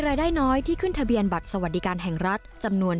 รายได้น้อยที่ขึ้นทะเบียนบัตรสวัสดิการแห่งรัฐจำนวน